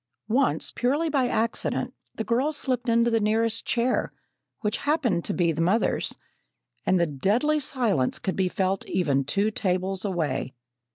Once, purely by accident, the girl slipped into the nearest chair, which happened to be the mother's, and the deadly silence could be felt even two tables away.